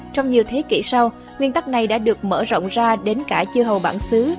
trong nhiều thế kỷ sau nguyên tắc này đã được mở rộng ra đến cả chư hầu bản xứ